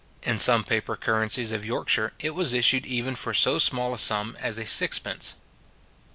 In some paper currencies of Yorkshire, it was issued even for so small a sum as a sixpence.